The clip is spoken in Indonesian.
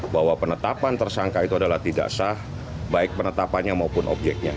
bahwa penetapan tersangka itu adalah tidak sah baik penetapannya maupun objeknya